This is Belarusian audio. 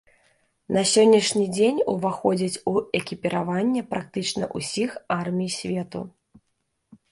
На сённяшні дзень уваходзяць у экіпіраванне практычна ўсіх армій свету.